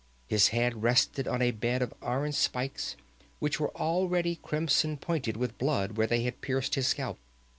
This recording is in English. His head rested on a bed of iron spikes, which were already crimson pointed with blood where they had pierced his scalp.